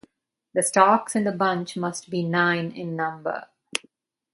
The stalks in the bunch must be nine in number.